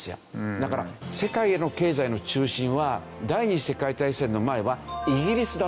だから世界の経済の中心は第２次世界大戦の前はイギリスだったんですよ。